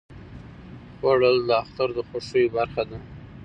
خوړل د اختر د خوښیو برخه ده